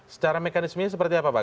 secara mekanismenya seperti apa pak